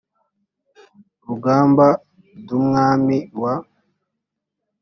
rugamba d umwami wa